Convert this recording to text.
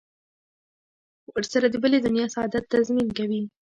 ورسره د بلې دنیا سعادت تضمین کوي.